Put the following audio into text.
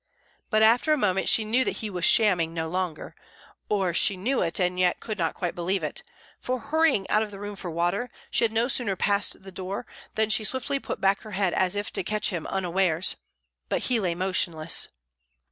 But after a moment she knew that he was shamming no longer or she knew it and yet could not quite believe it; for, hurrying out of the room for water, she had no sooner passed the door than she swiftly put back her head as if to catch him unawares; but he lay motionless.